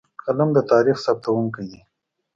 قلم د تاریخ ثبتونکی دی.